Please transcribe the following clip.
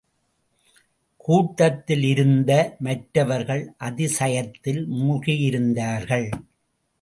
கூட்டத்தில் இருந்த மற்றவர்கள் அதிசயத்தில் மூழ்கியிருந்தார்கள்.